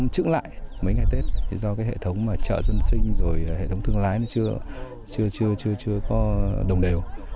trứng lại mấy ngày tết thì do cái hệ thống mà chợ dân sinh rồi hệ thống thương lái nó chưa có đồng đều